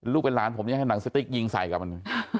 ลูกเป็นล้านผมเนี่ยให้นางสติ๊กยิงใส่กับมัน